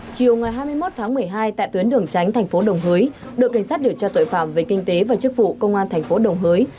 chiều ngày hai mươi một tháng một mươi hai tại tuyến đường tránh thành phố đồng hới đội cảnh sát điều tra tội phạm về kinh tế và chức vụ công an thành phố đồng hới